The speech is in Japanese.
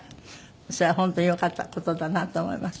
それは本当によかった事だなと思います。